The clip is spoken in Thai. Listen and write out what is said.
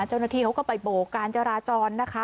เจ้าหน้าที่เขาก็ไปโบกการจราจรนะคะ